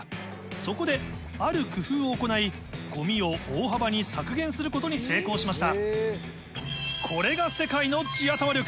そこである工夫を行いゴミを大幅に削減することに成功しました